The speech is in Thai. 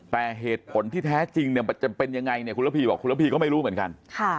แต่เหตุผลที่แท้จริงจะเป็นอย่างไรคุณทพบอกคุณทพก็ไม่รู้เหมือนกัน